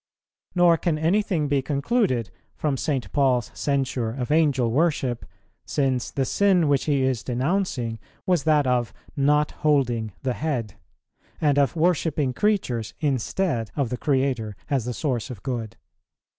Nor can anything be concluded from St. Paul's censure of Angel worship, since the sin which he is denouncing was that of "not holding the Head," and of worshipping creatures instead of the Creator as the source of good.